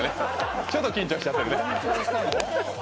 ちょっと緊張しちゃってるね。